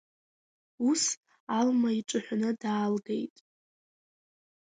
Ус, Алма иҿаҳәаны даалгеит.